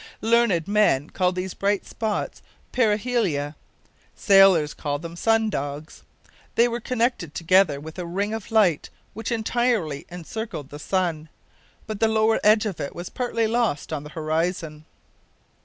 Learned men call these bright spots parhelia. Sailors call them sun dogs. They were connected together with a ring of light which entirely encircled the sun, but the lower edge of it was partly lost on the horizon.